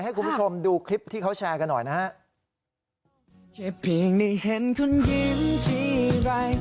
ให้คุณผู้ชมดูคลิปที่เขาแชร์กันหน่อยนะฮะ